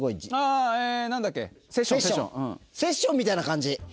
あぁ何だっけ『セッション』。『セッション』みたいな感じ。